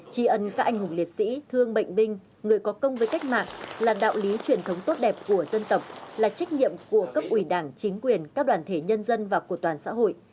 tri ân các anh hùng liệt sĩ thương bệnh binh người có công với cách mạng là đạo lý truyền thống tốt đẹp của dân tộc là trách nhiệm của cấp ủy đảng chính quyền các đoàn thể nhân dân và của toàn xã hội